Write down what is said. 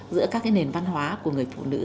giữa các cái nền văn hóa của người phụ nữ